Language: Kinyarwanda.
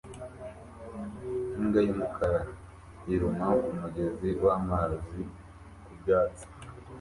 Imbwa y'umukara iruma ku mugezi w'amazi ku byatsi